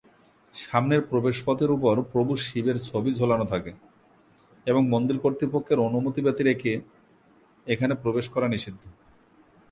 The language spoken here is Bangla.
সামনের প্রবেশপথের ওপর প্রভু শিবের ছবি ঝোলানো থাকে এবং মন্দির কর্তৃপক্ষের অনুমতি ব্যতিরেকে এখানে প্রবেশ করা নিষিদ্ধ।